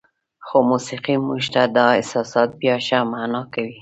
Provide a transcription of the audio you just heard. خو موسیقي موږ ته دا احساسات بیا ښه معنا کوي.